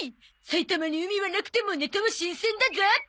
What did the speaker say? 埼玉に海はなくてもネタは新鮮だゾ。